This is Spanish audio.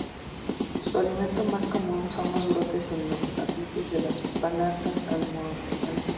Su alimento más común son los brotes en los ápices de las plantas almohadilla.